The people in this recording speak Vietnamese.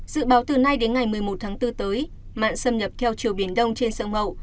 dự báo từ nay đến ngày một mươi một tháng bốn tới mặn xâm nhập theo chiều biển đông trên sông mậu